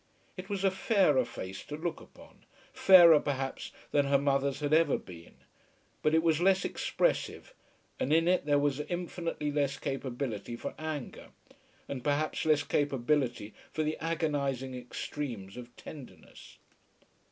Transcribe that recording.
It was a fairer face to look upon, fairer, perhaps, than her mother's had ever been; but it was less expressive, and in it there was infinitely less capability for anger, and perhaps less capability for the agonising extremes of tenderness.